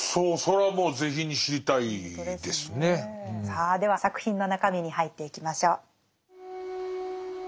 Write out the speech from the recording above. さあでは作品の中身に入っていきましょう。